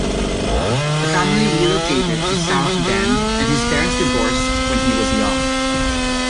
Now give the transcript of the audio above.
The family relocated to South Bend and his parents divorced when he was young.